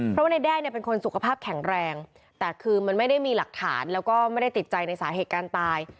เพราะว่าในแด้เนี่ยเป็นคนสุขภาพแข็งแรงแต่คือมันไม่ได้มีหลักฐานแล้วก็ไม่ได้ติดใจในสาเหตุการตาย